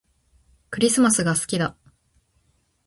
クリスマスが好きだ